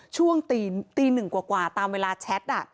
ช่วงตีหนึ่งกว่าตามเวลาแชท